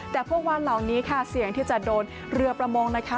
แต่พวกวันเหล่านี้ค่ะเสี่ยงที่จะโดนเรือประมงนะคะ